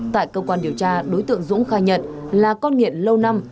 tại cơ quan điều tra đối tượng dũng khai nhận là con nghiện lâu năm